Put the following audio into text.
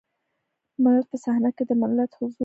ملت په صحنه کې دی ملت حضور لري.